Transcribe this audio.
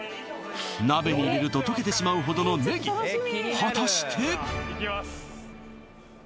鍋に入れると溶けてしまうほどのねぎ果たしていきます